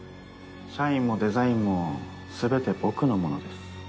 社員もデザインも全て僕のものです